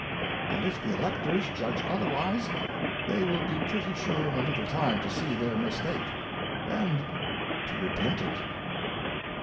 And if the Electors judge otherwise, they will be pretty sure in a little time to see their Mistake, and to repent it.